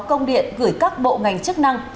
công điện gửi các bộ ngành chức năng